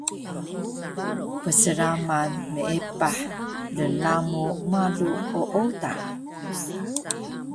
psramal meepah lnlamu malu ooda